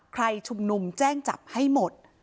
ใครชุมนุมแจ้งจับให้หมด